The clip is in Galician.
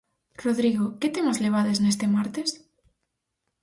Rodrigo, que temas levades neste martes?